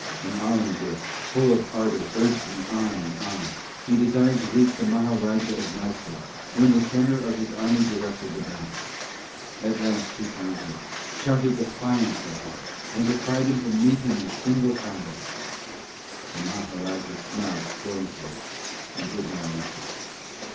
And Alemguir, full of ardour urged me on and on! He desired to reach the Maharajah of Mysore, who in the centre of his army directed the battle. At last he found him, shouted defiance at him, and defied him to meet him in single combat. The Maharajah smiled scornfully and did not answer.